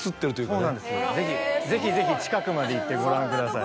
そうなんですぜひぜひ近くまで行ってご覧ください。